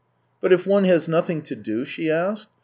" But if one has nothing to do ?" she asked.